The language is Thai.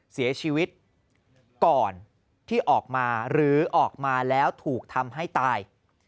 เสียชีวิตก่อนที่ออกมาหรือออกมาแล้วถูกทำให้ตาย